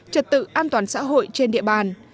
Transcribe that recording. trật tự an toàn xã hội trên địa bàn